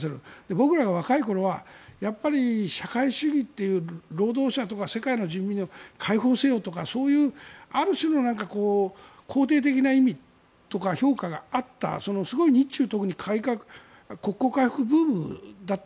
僕らが若い頃はやっぱり、社会主義という労働者とか世界の人民を解放せよとかある種の肯定的な意味とか評価があったそのすごい日中の特に国交回復ブームでした。